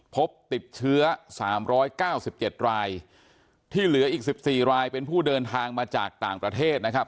พบติดเชื้อ๓๙๗รายที่เหลืออีก๑๔รายเป็นผู้เดินทางมาจากต่างประเทศนะครับ